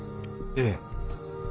ええ。